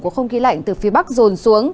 của không khí lạnh từ phía bắc rồn xuống